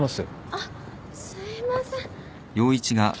あっすいません。